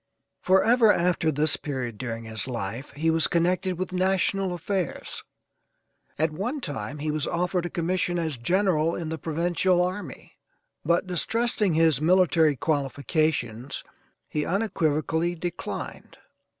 Forever after this period, during his life, he was connected with national affairs. At one time he was offered a commission as General in the Provincial Army, but distrusting his military qualifications he unequivocally declined.